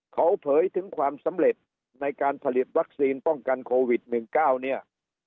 เขาเผยถึงความสำเร็จในการผลิตวัคซีนป้องกันโควิด๑๙เนี่ย